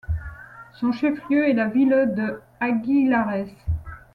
Son chef-lieu est la ville de Aguilares.